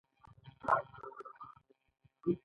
دا ډلې د تورو کارغانو په نوم یادیدلې.